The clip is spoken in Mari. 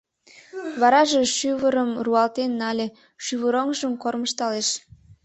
Вараже шӱвырым руалтен нале, шӱвыроҥжым кормыжтылеш.